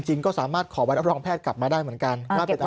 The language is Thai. ก็สามารถขอวัดรองแพทย์กลับมาได้เหมือนกัน